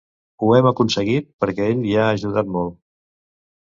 Ho hem aconseguit perquè ell hi ha ajudat molt.